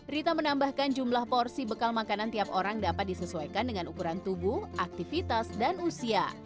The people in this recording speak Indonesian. rita menambahkan jumlah porsi bekal makanan tiap orang dapat disesuaikan dengan ukuran tubuh aktivitas dan usia